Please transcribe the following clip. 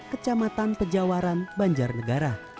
kecamatan pejawaran banjarnegara